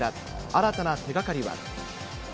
新たな手がかりは。